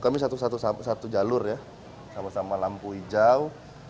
kami satu jalur ya sama sama lampu hijau